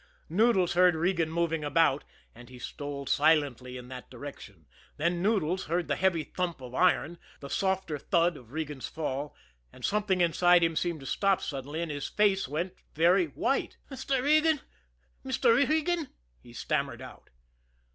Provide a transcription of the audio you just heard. Noodles heard Regan moving about, and he stole silently in that direction; then Noodles heard the heavy thump of iron, the softer thud of Regan's fall, and something inside him seemed to stop suddenly, and his face went very white. "Mr. Regan! Mr. Regan!" he stammered out.